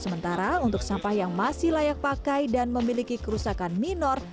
sementara untuk sampah yang masih layak pakai dan memiliki kerusakan minor